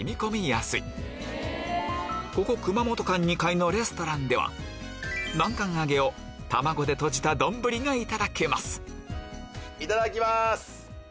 ここ熊本館２階のレストランでは南関あげを卵でとじた丼がいただけますいただきます！